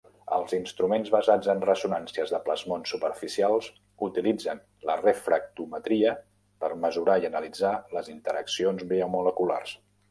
Els instruments basats en ressonàncies de plasmons superficials utilitzen la refractometria per mesurar i analitzar les interacciones biomoleculars.